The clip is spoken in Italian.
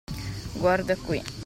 Guarda qui.